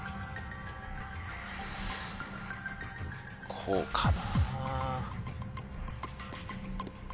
こうかな。